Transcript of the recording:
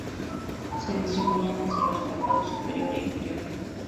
Se distribuyen hacia los párpados superior e inferior.